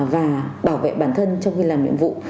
và bảo vệ bản thân trong khi làm nhiệm vụ